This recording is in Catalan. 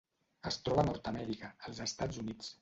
Es troba a Nord-amèrica: els Estats Units: